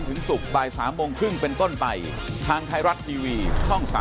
ขอบคุณครับ